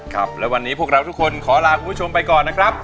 ครับและวันนี้พวกเราทุกคนขอลาคุณผู้ชมไปก่อนนะครับ